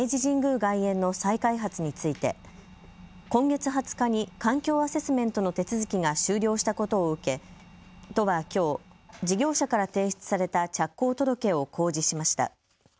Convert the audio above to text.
外苑の再開発について今月２０日に環境アセスメントの手続きが終了したことを受け都はきょう事業者から提出された着工届を公示しました。